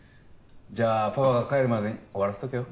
じゃあパパが帰るまでに終わらせとけよ。